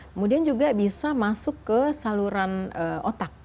kemudian juga bisa masuk ke saluran otak